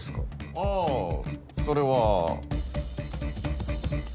あぁそれは。